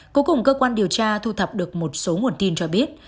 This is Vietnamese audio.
cuối cùng cơ quan điều tra thu thập được một số nguồn tin cho biết